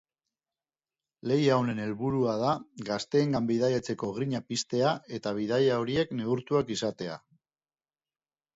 Lehia honen helburua da gazteengan bidaiatzeko grina piztea eta bidaia horiek neurtuak izatea.